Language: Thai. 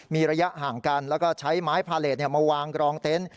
มีระยะห่างกันแล้วก็ใช้ไม้พาเลสมาวางกรองเต็นต์